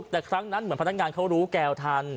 แต่ครั้งนั้นเหมือนพนักงานเขารู้แก้วทัน